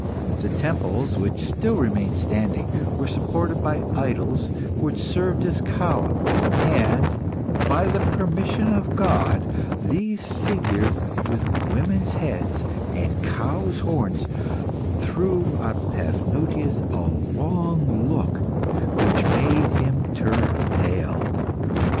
The temples, which still remained standing, were supported by idols which served as columns, and by the permission of God these figures with women's heads and cow's horns, threw on Paphnutius a long look which made him turn pale.